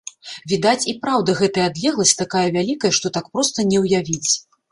Відаць, і праўда, гэтая адлегласць такая вялікая, што так проста не ўявіць.